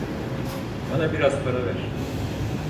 Bana biraz para ver.